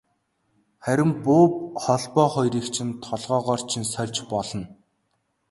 Харин буу холбоо хоёрыг чинь толгойгоор чинь сольж болно.